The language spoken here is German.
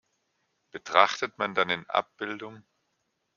Betrachtet man dann in Abb.